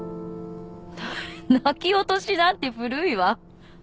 泣き落としなんて古いわ。